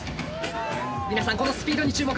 皆さんこのスピードに注目！